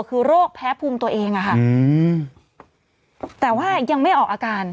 คือโรคแพ้ภูมิตัวเองอะค่ะแต่ว่ายังไม่ออกอาการ